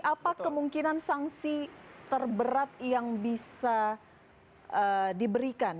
apa kemungkinan sanksi terberat yang bisa diberikan